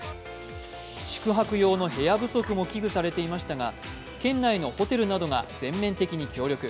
宿泊用の部屋不足も危惧されていましたが、県内のホテルなどが全面的に協力。